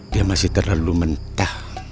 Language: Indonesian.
dia masih terlalu mentah